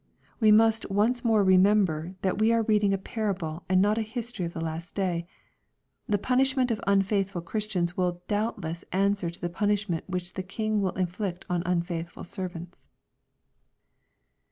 We must once more remember that we are reading a parable, and not a history of the last day. The punishment of unfaithful Chris tians will doubtless answer to the punishment which a king will inflict on unfaithful servants.